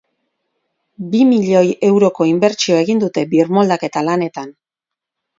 Bi milioi euroko inbertsioa egin dute birmoldaketa lanetan.